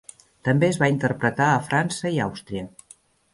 També es va interpretar a França i Àustria.